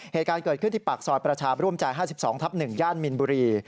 เหตุการณ์เกิดขึ้นที่ปากซอยประชาบร่วมใจ๕๒ทับ๑ย่านมินบุรี